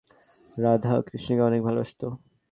রাধাও কৃষ্ণকে অনেক ভালবাসতো।